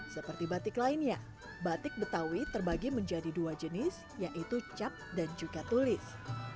seperti batik lainnya batik betawi terbagi menjadi dua jenis yaitu cap dan juga tulis